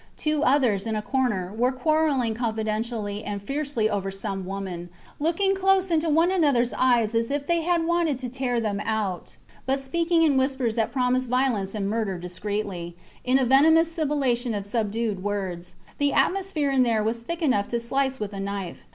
Two others, in a corner, were quarrelling confidentially and fiercely over some woman, looking close into one anothers eyes as if they had wanted to tear them out, but speaking in whispers that promised violence and murder discreetly, in a venomous sibillation of subdued words. The atmosphere in there was thick enough to slice with a knife.